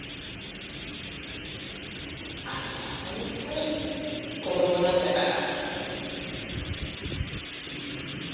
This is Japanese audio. あんたはほんとに子どもなんだから。